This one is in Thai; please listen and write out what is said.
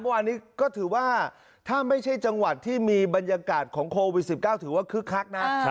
เมื่อวานนี้ก็ถือว่าถ้าไม่ใช่จังหวัดที่มีบรรยากาศของโควิด๑๙ถือว่าคึกคักนะ